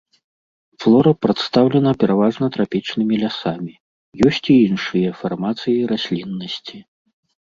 Флора прадстаўлена пераважна трапічнымі лясамі, ёсць і іншыя фармацыі расліннасці.